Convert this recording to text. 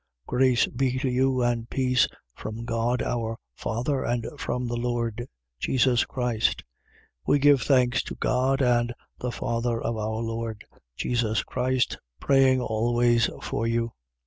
1:3. Grace be to you and peace, from God our Father and from the Lord Jesus Christ. We give thanks to God and the Father of our Lord Jesus Christ, praying always for you.